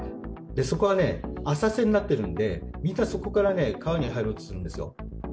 そこは浅瀬になってるんで、みんな、そこからね、川に入ろうとするんですよ。